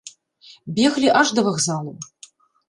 Беглі аж да вакзалу.